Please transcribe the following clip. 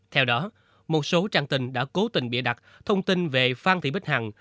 theo đó một số trang tin đã cố tình bịa đặt thông tin về phan thị bích hằng